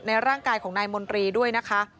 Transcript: ร่างกายของนายมนตรีด้วยนะคะ